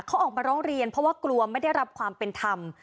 เขาออกมาร้องเรียนเพราะว่ากลัวไม่ได้รับความเป็นธรรม